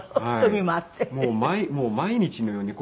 もう毎日のように。